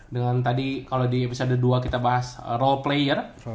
dengan tadi kalau di episode dua kita bahas role player